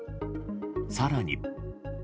更に。